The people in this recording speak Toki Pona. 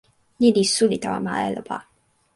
ni li suli tawa ma Elopa.